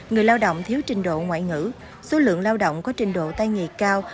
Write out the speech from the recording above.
người lao động thiếu trình độ ngoại ngữ số lượng lao động có trình độ tay nghề cao